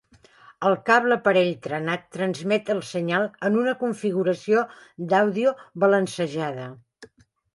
El cable parell trenat transmet el senyal en una configuració d'àudio balancejada.